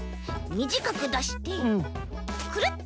みじかくだしてくるっ！